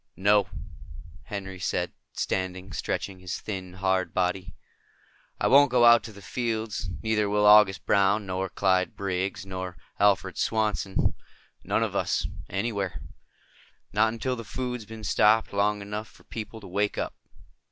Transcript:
"No," Henry said, standing, stretching his thin, hard body. "I won't go out to the fields. Neither will August Brown nor Clyde Briggs nor Alfred Swanson. None of us. Anywhere. Not until the food's been stopped long enough for people to wake up."